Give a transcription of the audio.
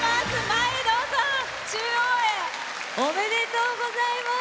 おめでとうございます！